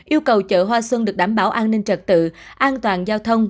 yêu cầu chợ hoa xuân được đảm bảo an ninh trật tự an toàn giao thông